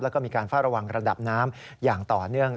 แล้วก็มีการเฝ้าระวังระดับน้ำอย่างต่อเนื่อง